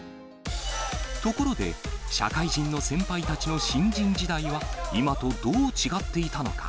ところで、社会人の先輩たちの新人時代は、今とどう違っていたのか。